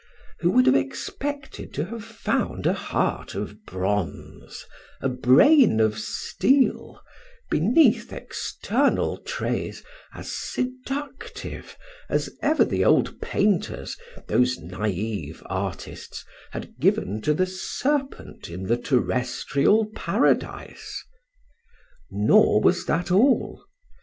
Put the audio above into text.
Who would have expected to have found a heart of bronze, a brain of steel, beneath external traits as seductive as ever the old painters, those naive artists, had given to the serpent in the terrestrial paradise? Nor was that all.